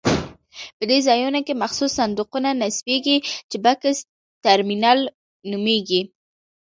په دې ځایونو کې مخصوص صندوقونه نصبېږي چې بکس ترمینل نومېږي.